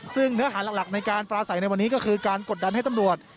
ซึ่งเนื้อหาหลักในการปลาใสในวันนี้ก็คือการกดดันให้ตำรวจ